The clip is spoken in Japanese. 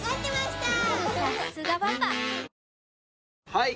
はい！